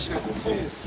そうですよ。